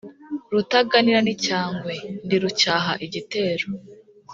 rutaganira n'icyangwe, ndi rucyaha igitero.